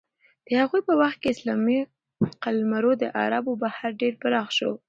د هغوی په وخت کې اسلامي قلمرو له عربو بهر ډېر پراخ شو.